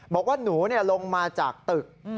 บอกว่าหนูลงมาจากตึก